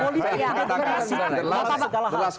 politi itu adalah segala hal